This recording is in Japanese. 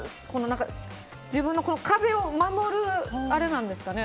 自分の壁を守るあれなんですかね。